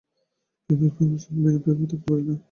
প্রেমিক ও প্রেমাস্পদ বিনা প্রেম থাকিতে পারে না।